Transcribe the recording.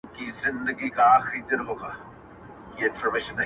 ډک گيلاسونه دي شرنگيږي’ رېږدي بيا ميکده’